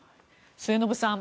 末延さん